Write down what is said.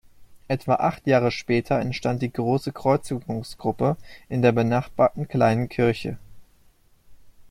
Etwa acht Jahre später entstand die Große Kreuzigungsgruppe in der benachbarten kleinen Kirche.